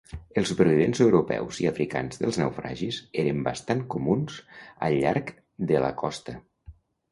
Els supervivents europeus i africans dels naufragis eren bastant comuns al llarg de la costa.